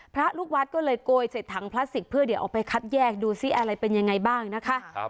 พระลูกวัดก็เลยโกยเสร็จถังพลาสติกเพื่อเดี๋ยวเอาไปคัดแยกดูซิอะไรเป็นยังไงบ้างนะคะ